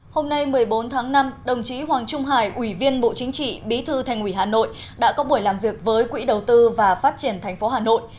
hôm nay một mươi bốn tháng năm đồng chí hoàng trung hải ủy viên bộ chính trị bí thư thành ủy hà nội đã có buổi làm việc với quỹ đầu tư và phát triển tp hà nội